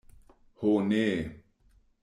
Ho ne!